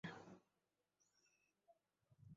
আমাকে বিশ্বাস করতেই হবে আপনার।